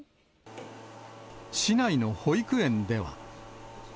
市内の保育園では。